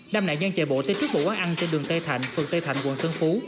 nam nạn nhân chạy bộ tới trước một quán ăn trên đường tây thạnh phường tây thạnh quận tân phú